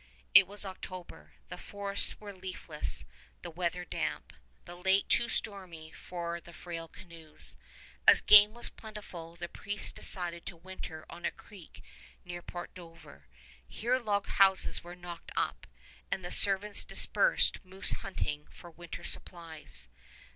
It was October. The forests were leafless, the weather damp, the lake too stormy for the frail canoes. As game was plentiful, the priests decided to winter on a creek near Port Dover. Here log houses were knocked up, and the servants dispersed moose hunting for winter supplies.